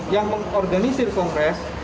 yang mengorganisir kongres